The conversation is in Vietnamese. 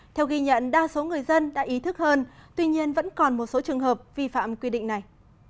theo ghi nhận đa số người dân đã ý thức hơn tuy nhiên vẫn còn một số trường hợp vi phạm quy định này